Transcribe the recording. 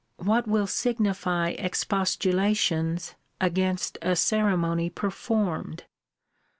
What will signify expostulations against a ceremony performed?